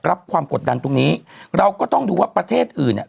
รับความกดดันตรงนี้เราก็ต้องดูว่าประเทศอื่นเนี่ย